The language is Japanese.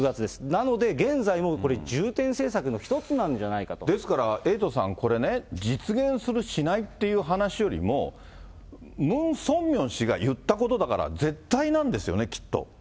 なので、現在もこれ、重点政策のですからエイトさん、これね、実現する、しないっていう話よりも、ムン・ソンミョン氏が言ったことだから絶対なんですよね、きっと。